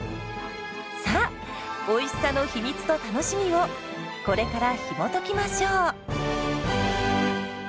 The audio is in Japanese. さあおいしさの秘密と楽しみをこれからひもときましょう！